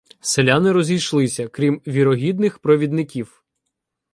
Селяни розійшлися, крім вірогідних "провідників".